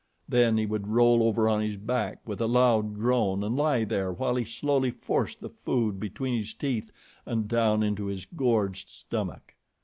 Then he would roll over on his back with a loud groan and lie there while he slowly forced the food between his teeth and down into his gorged stomach.